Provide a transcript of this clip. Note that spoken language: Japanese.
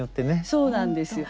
そうなんですよ。